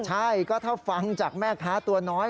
ใช่ก็ถ้าฟังจากแม่ค้าตัวน้อย